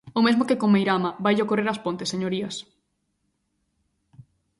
O mesmo que con Meirama vaille ocorrer ás Pontes, señorías.